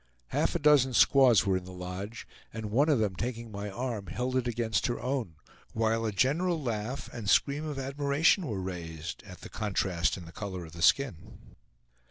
Half a dozen squaws were in the lodge, and one of them taking my arm held it against her own, while a general laugh and scream of admiration were raised at the contrast in the color of the skin.